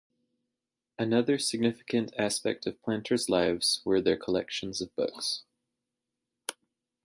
Another significant aspect of planters lives were their collections of books.